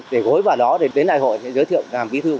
để gối vào đó đến đại hội giới thiệu làm bí thư